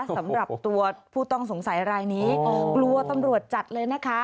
สำหรับตัวผู้ต้องสงสัยรายนี้กลัวตำรวจจัดเลยนะคะ